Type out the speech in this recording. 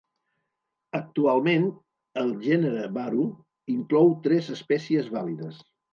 Actualment, el gènere "Baru" inclou tres espècies vàlides.